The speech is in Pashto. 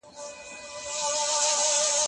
هغه څوک چي ځواب ليکي تمرين کوي،